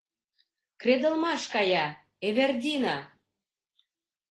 — Кредалмаш кая, Эвердина!